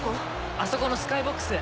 「あそこのスカイボックス」